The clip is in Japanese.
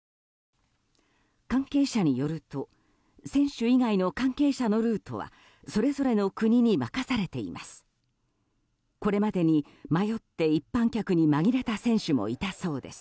関係者によると選手以外の関係者のルートはそれぞれの国に任されています。